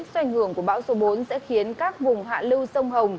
do ảnh hưởng của bão số bốn sẽ khiến các vùng hạ lưu sông hồng